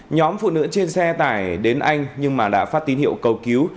nhóm phụ nữ trên xe tải đến anh nhưng mà đã phát tín hiệu cầu cứu